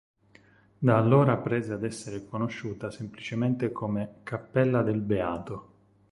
Da allora prese ad essere conosciuta semplicemente come "Cappella del Beato".